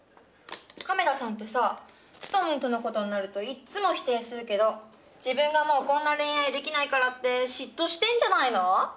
亀田さんってさツトムンとの事になるといつも否定するけど自分がもうこんな恋愛できないからって嫉妬してんじゃないの？